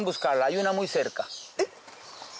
えっ。